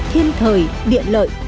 thiên thời điện lợi